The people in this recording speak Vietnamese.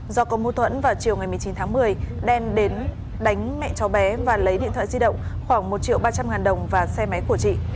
do có mô tuẫn vào chiều một mươi chín tháng một mươi đen đến đánh mẹ cháu bé và lấy điện thoại di động khoảng một triệu ba trăm linh ngàn đồng và xe máy của chị